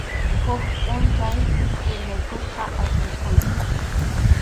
Huk pʼunchaw yuyaykusqa ayqikuyta.